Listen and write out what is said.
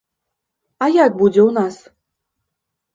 А як будзе ў нас?